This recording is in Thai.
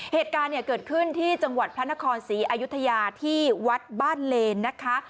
เหตุการณ์เนี่ยเกิดขึ้นที่จังหวัดพระนครศรีอายุทยาที่วัดบ้านเลนนะคะ